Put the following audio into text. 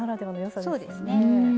そうですね。